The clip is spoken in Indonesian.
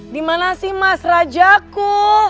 dimana si mas rajaku